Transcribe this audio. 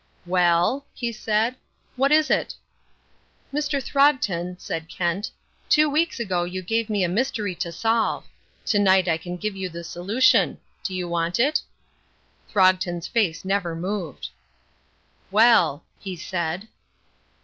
"Well," he said, "what is it?" "Mr. Throgton," said Kent, "two weeks ago you gave me a mystery to solve. To night I can give you the solution. Do you want it?" Throgton's face never moved. "Well," he said.